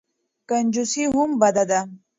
کنجوسي هم بده ده.